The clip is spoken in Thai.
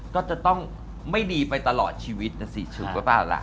ก็จะต้องไม่ดีไปตลอดชีวิตนะสิถูกหรือเปล่าล่ะ